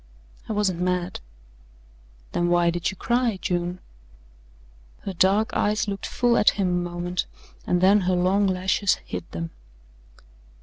"I wasn't mad." "Then why did you cry, June?" Her dark eyes looked full at him a moment and then her long lashes hid them.